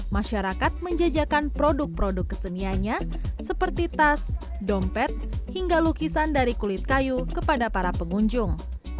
masyarakat menjajakan produk produk kesenianya seperti tas dompet hingga lukisan dari kulit kayu kepada para pengunjung